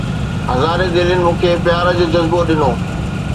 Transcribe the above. هزارين دلين مون کي پيار جو جذبو ڏنو